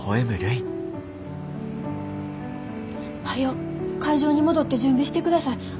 早う会場に戻って準備してください。